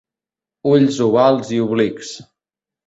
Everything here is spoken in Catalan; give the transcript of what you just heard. Ulls ovals i oblics.